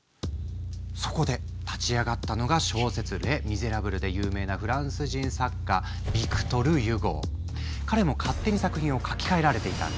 そこで立ち上がったのが小説「レ・ミゼラブル」で有名なフランス人作家彼も勝手に作品を書き換えられていたんだ。